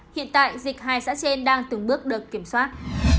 hiện tại dịch hai xã trên đang từng bước được kiểm soát